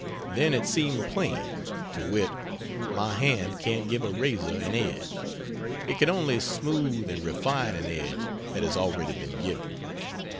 Then it seemed plain to wit: my hand can't give a razor an edge, it can only smooth and refine an edge that has already been given.